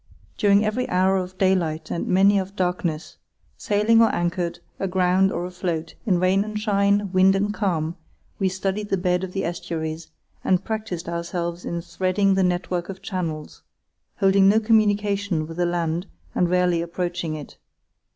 During every hour of daylight and many of darkness, sailing or anchored, aground or afloat, in rain and shine, wind and calm, we studied the bed of the estuaries, and practised ourselves in threading the network of channels; holding no communication with the land and rarely approaching it.